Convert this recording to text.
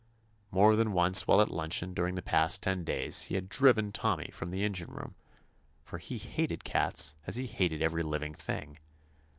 More than once while at luncheon during the past ten days he had driven Tommy from the engine room, for he hated cats as he hated every living thing.